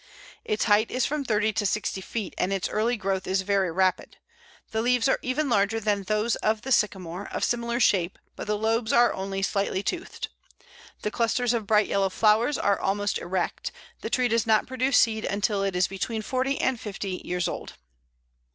Its height is from thirty to sixty feet, and its early growth is very rapid. The leaves are even larger than those of Sycamore, of similar shape, but the lobes are only slightly toothed. The clusters of bright yellow flowers are almost erect; the tree does not produce seed until it is between forty and fifty years old.